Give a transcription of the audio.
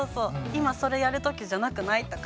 今それやる時じゃなくない？とか。